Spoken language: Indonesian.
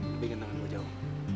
lebih ganteng dari wajah om